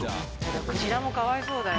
クジラもかわいそうだよ。